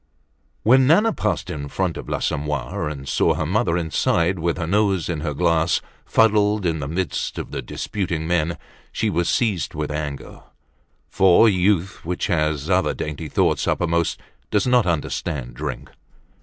When Nana passed in front of l'Assommoir and saw her mother inside, with her nose in her glass, fuddled in the midst of the disputing men, she was seized with anger; for youth which has other dainty thoughts uppermost does not understand drink.